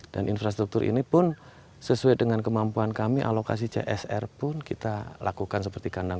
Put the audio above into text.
dan infrastruktur ini pun sesuai dengan kemampuan kami alokasi csr pun kita lakukan seperti kandang